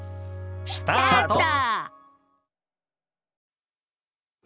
スタート！